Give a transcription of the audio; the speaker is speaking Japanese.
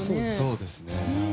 そうです。